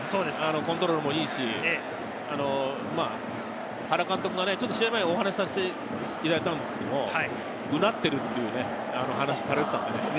コントロールもいいし、原監督と試合前にお話させていただいたのですけれども、うなっていると話をしていました。